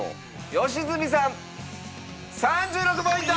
良純さん３６ポイント！